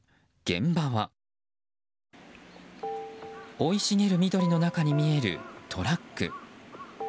生い茂る緑の中に見えるトラック。